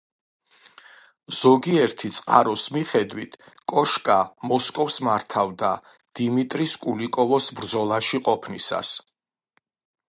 ზოგიერთი წყაროს მიხედვით, კოშკა მოსკოვს მართავდა დიმიტრის კულიკოვოს ბრძოლაში ყოფნისას.